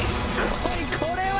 こいこれは。